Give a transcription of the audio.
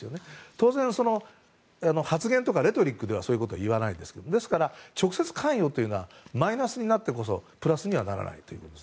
当然、発言とかレトリックではそういうことは言いませんが直接関与というのはマイナスになってこそプラスにはならないと。